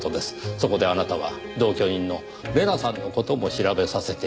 そこであなたは同居人の玲奈さんの事も調べさせていた。